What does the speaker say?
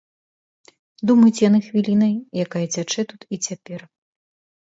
Думаюць яны хвілінай, якая цячэ тут і цяпер.